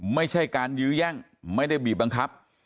ไม่ใช่การยื้อแย่งไม่ได้บีบบังคับ